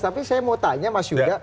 tapi saya mau tanya mas yuda